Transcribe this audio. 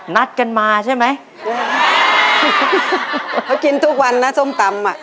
นัดกันมาใช่ไหมเขากินทุกวันนะส้มตำอ่ะ